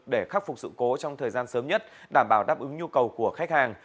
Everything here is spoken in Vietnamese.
để khắc phục sự cố trong thời gian sớm nhất đảm bảo đáp ứng nhu cầu của khách hàng